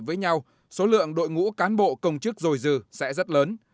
với nhau số lượng đội ngũ cán bộ công chức dồi dừ sẽ rất lớn